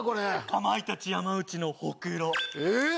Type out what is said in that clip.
かまいたち山内のホクロえーっ